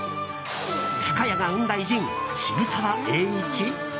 深谷が生んだ偉人・渋沢栄一？